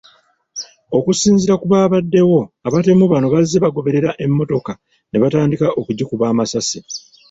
Okusinziira ku baabaddewo, abatemu bano bazze bagoberera emmotoka ne batandika okugikuba amasasi.